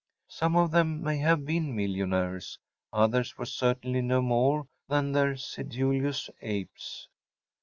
Some of them may have been millionaires; others were certainly no more than their sedulous apes.